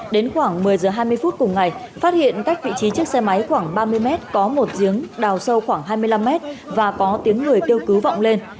đến khoảng một mươi giờ hai mươi phút cùng ngày phát hiện cách vị trí chiếc xe máy khoảng ba mươi mét có một giếng đào sâu khoảng hai mươi năm mét và có tiếng người kêu cứu vọng lên